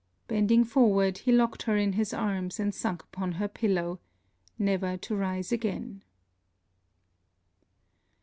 Bending forward, he locked her in his arms, and sunk upon her pillow, never to rise again.